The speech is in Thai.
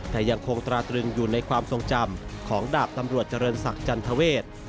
แต่ยังคงตราตรึงอยู่ในความทรงจำของดาบตำรวจเจริญศักดิ์จันทเวศ